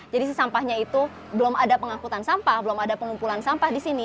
jadi sampahnya itu belum ada pengangkutan sampah belum ada pengumpulan sampah di sini